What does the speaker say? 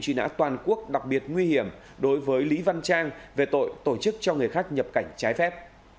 truy nã toàn quốc đặc biệt nguy hiểm đối với lý văn trang về tội tổ chức cho người khác nhập cảnh trái phép